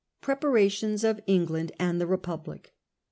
Preparations of England and tiie Republic.